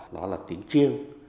nó là tiếng chiêng